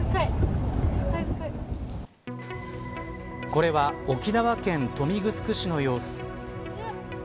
これは沖縄県豊見城市の様子。